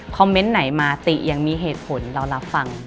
เมนต์ไหนมาติยังมีเหตุผลเรารับฟัง